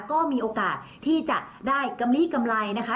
ก็มีโอกาสที่จะได้กำลีกำไรนะคะ